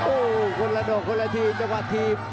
โอ้โหคนละดอกคนละทีมจังหวะทีม